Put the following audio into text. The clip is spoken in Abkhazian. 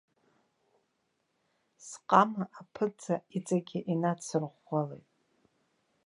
Сҟама аԥынҵа иҵегьы инадсырӷәӷәалеит.